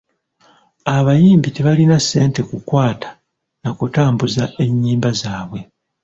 Abayimbi tebalina ssente kukwata na kutambuza ennyimba zaabwe.